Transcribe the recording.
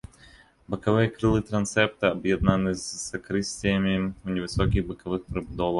Бакавыя крылы трансепта аб'яднаны з сакрысціямі ў невысокіх бакавых прыбудовах.